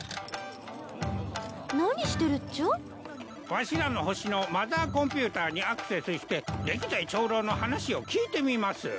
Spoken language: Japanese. わしらの星のマザーコンピューターにアクセスして歴代長老の話を聞いてみます。